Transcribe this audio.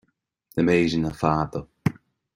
Na méireanna fada